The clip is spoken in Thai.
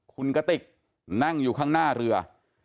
คุณกติกนั่งอยู่ข้างหน้าเรือ